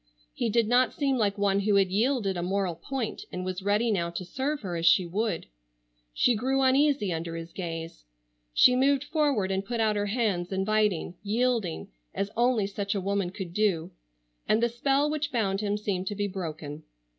He did not seem like one who had yielded a moral point and was ready now to serve her as she would. She grew uneasy under his gaze. She moved forward and put out her hands inviting, yielding, as only such a woman could do, and the spell which bound him seemed to be broken.